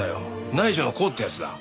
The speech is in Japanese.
内助の功ってやつだ。